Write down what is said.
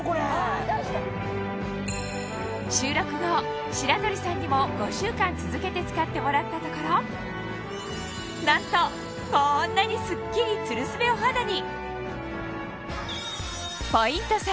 収録後白鳥さんにも５週間続けて使ってもらったところなんとこんなにスッキリツルスベお肌に！